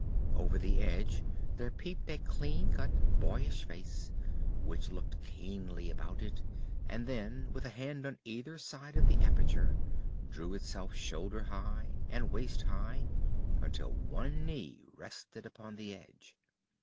Over the edge there peeped a clean cut, boyish face, which looked keenly about it, and then, with a hand on either side of the aperture, drew itself shoulder high and waist high, until one knee rested upon the edge.